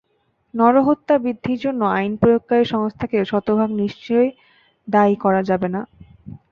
নরহত্যা বৃদ্ধির জন্য আইন প্রয়োগকারী সংস্থাকে শতভাগ নিশ্চয় দায়ী করা যাবে না।